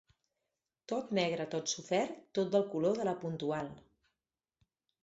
Tot negre, tot sofert, tot del color de «La Puntual»